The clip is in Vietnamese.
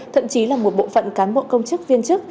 thậm chí là một bộ phận cán bộ công chức viên chức